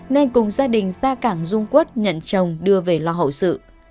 nên cùng gia đình ra cảng dung quốc nhận chồng đưa về lo hậu sự